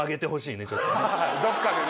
どっかでね。